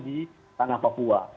di tanah papua